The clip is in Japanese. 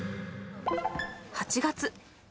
８月。